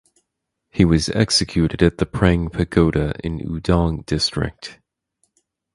He was executed at the Prang pagoda in Oudong district.